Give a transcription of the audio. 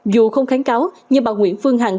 dù không kháng cáo nhưng bà nguyễn phương hằng